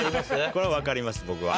これは分かります僕は。